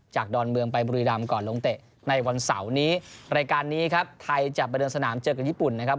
ดอนเมืองไปบุรีรำก่อนลงเตะในวันเสาร์นี้รายการนี้ครับไทยจะประเดิมสนามเจอกับญี่ปุ่นนะครับ